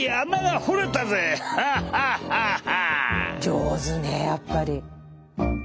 上手ねやっぱり！